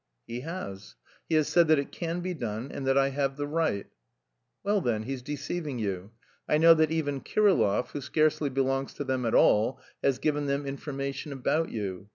"He has. He has said that it can be done and that I have the right...." "Well then, he's deceiving you. I know that even Kirillov, who scarcely belongs to them at all, has given them information about you.